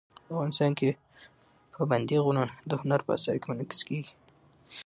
افغانستان کې پابندی غرونه د هنر په اثار کې منعکس کېږي.